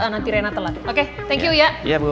nanti rena telat oke thank you ya